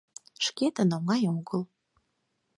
Шкетын оҥай огыл.